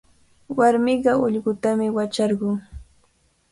Warmiqa ullqutami wacharqun.